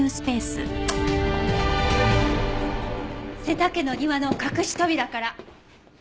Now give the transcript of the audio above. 瀬田家の庭の隠し扉から。